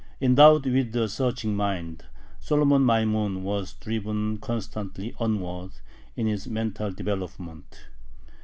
Endowed with a searching mind, Solomon Maimon was driven constantly onward in his mental development.